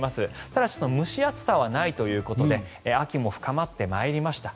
ただし蒸し暑さはないということで秋も深まってまいりました